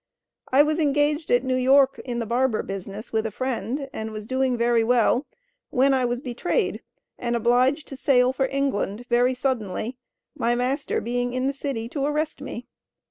I was engaged at New York, in the barber business, with a friend, and was doing very well, when I was betrayed and obliged to sail for England very suddenly, my master being in the city to arrest me.